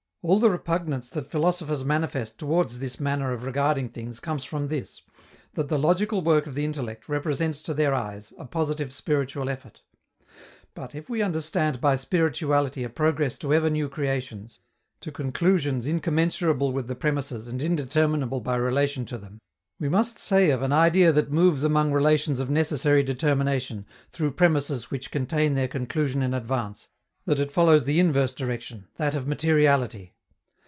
All the repugnance that philosophers manifest towards this manner of regarding things comes from this, that the logical work of the intellect represents to their eyes a positive spiritual effort. But, if we understand by spirituality a progress to ever new creations, to conclusions incommensurable with the premisses and indeterminable by relation to them, we must say of an idea that moves among relations of necessary determination, through premisses which contain their conclusion in advance, that it follows the inverse direction, that of materiality.